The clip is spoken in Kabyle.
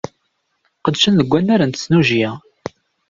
Qedcen deg unnar n tesnujya.